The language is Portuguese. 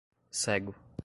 cego